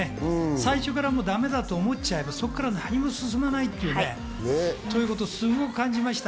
最初からだめだと思えば、そこから何も進まないということをすごく感じました。